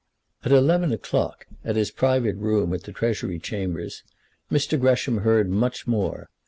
At eleven o'clock, at his private room at the Treasury Chambers, Mr. Gresham heard much more.